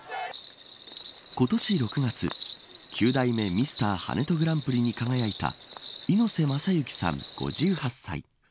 今年６月、９代目ミスター跳人グランプリに輝いた猪瀬政幸さん、５８歳。